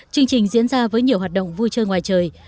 chương trình diễn ra với nhiều hoạt động vui chơi ngoài trời